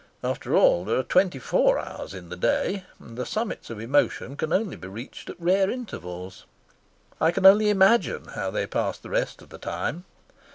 After all, there are twenty four hours in the day, and the summits of emotion can only be reached at rare intervals. I can only imagine how they passed the rest of the time.